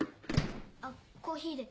あっコーヒーで。